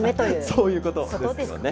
そういうことですよね。